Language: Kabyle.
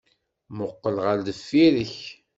Mmuqqel ɣer deffir-k!